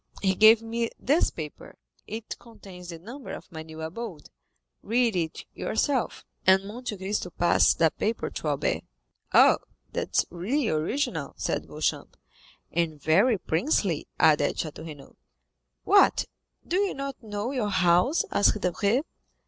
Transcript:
He gave me this paper; it contains the number of my new abode; read it yourself," and Monte Cristo passed a paper to Albert. "Ah, that is really original," said Beauchamp. "And very princely," added Château Renaud. "What, do you not know your house?" asked Debray.